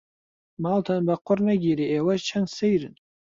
ماڵتان بە قوڕ نەگیرێ ئێوەش چەند سەیرن.